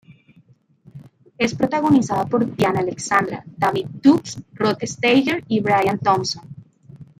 Es protagonizada por Tiana Alexandra, David Dukes, Rod Steiger y Brian Thompson.